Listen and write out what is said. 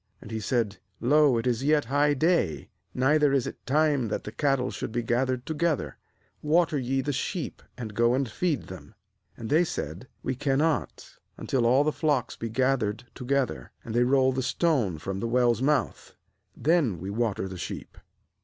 7Andhesaid: 'Lo, it is yet high day, neither is it time that the cattle should be gathered together; water ye the sheep, and go and feed them.' 8And they said: 'We cannot, until all the flocks be gathered to gether, and they roll the stone from the well's mouth; then we water the sheep.'